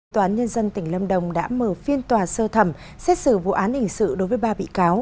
tòa án nhân dân tỉnh lâm đồng đã mở phiên tòa sơ thẩm xét xử vụ án hình sự đối với ba bị cáo